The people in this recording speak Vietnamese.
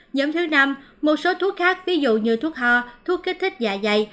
nhóm thứ năm một số thuốc khác ví dụ như thuốc ho thuốc kích thích dạ dày